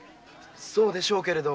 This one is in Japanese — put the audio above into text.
そうでしょうけれど。